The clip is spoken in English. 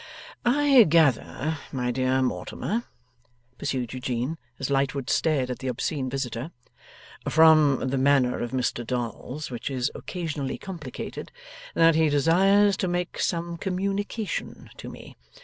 'I gather, my dear Mortimer,' pursued Eugene, as Lightwood stared at the obscene visitor, 'from the manner of Mr Dolls which is occasionally complicated that he desires to make some communication to me.